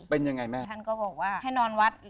คือเราก็บอกให้นอนวัด